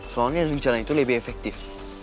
soalnya rencana itu lebih efektif